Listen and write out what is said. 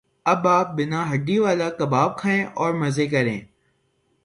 اب آپ بینا ہڈی والا کباب کھائیں اور مزے کریں